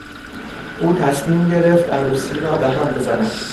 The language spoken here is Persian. او تصمیم گرفت عروسی را بهم بزند.